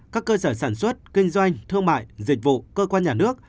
các cơ sở sản xuất kinh doanh thương mại dịch vụ cơ quan nhà nước